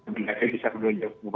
mendagri bisa menunjuk